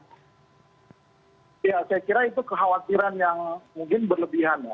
ya saya kira itu kekhawatiran yang mungkin berlebihan ya